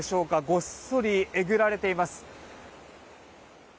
ごっそりえぐられています。